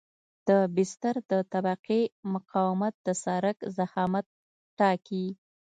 د بستر د طبقې مقاومت د سرک ضخامت ټاکي